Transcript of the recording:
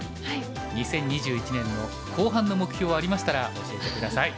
２０２１年の後半の目標ありましたら教えて下さい。